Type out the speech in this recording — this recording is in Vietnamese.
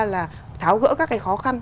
là tháo gỡ các cái khó khăn